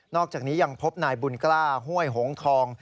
อกจากนี้ยังพบนายบุญกล้าห้วยหงทอง